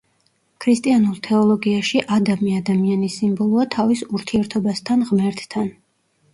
ქრისტიანულ თეოლოგიაში ადამი ადამიანის სიმბოლოა თავის ურთიერთობასთან ღმერთთან.